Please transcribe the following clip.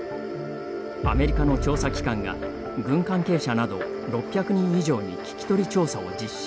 アメリカの調査機関が軍関係者など６００人以上に聞き取り調査を実施。